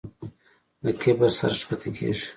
د کبر سر ښکته کېږي.